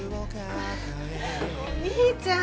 お兄ちゃん。